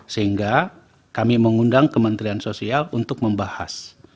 sehingga kami mengundang kementerian sosial untuk membahas